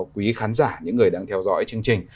quý khán giả những người đang theo dõi chương trình